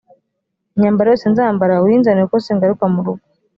imyambaro yose nzambara uyinzanire kuko singaruka murugo